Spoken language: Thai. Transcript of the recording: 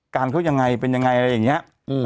การเขายังไงเป็นยังไงอะไรอย่างนี้